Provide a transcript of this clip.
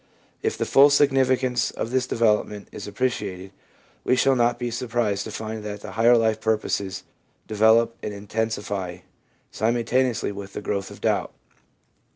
If the full significance of this development is appreciated, we shall not be surprised to find that the higher life purposes develop and intensify simultaneously with the growth of doubt.